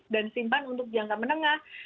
dan simpan untuk jangka menengah